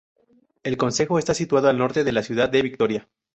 El concejo está situado al norte de la ciudad de Vitoria.